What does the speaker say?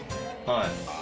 はい。